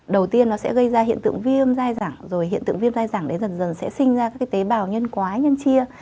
đầu tiên nó sẽ gây ra hiện tượng viêm dai rẳng rồi hiện tượng viêm dai dẳng đấy dần dần sẽ sinh ra các tế bào nhân quá nhân chia